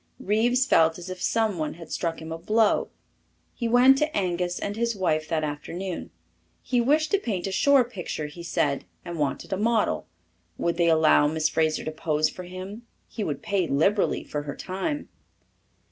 Reeves felt as if someone had struck him a blow. He went to Angus and his wife that afternoon. He wished to paint a shore picture, he said, and wanted a model. Would they allow Miss Fraser to pose for him? He would pay liberally for her time.